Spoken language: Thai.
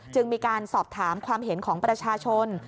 มีการสอบถามความเห็นของประชาชน